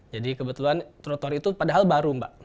jadi kebetulan trotoar itu padahal baru mbak